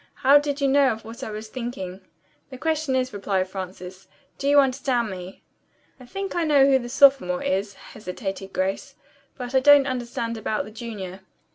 "How did you know of what I was thinking?" "The question is," replied Frances, "do you understand me?" "I think I know who the sophomore is," hesitated Grace, "but I don't understand about the junior."